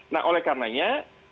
nah oleh karenanya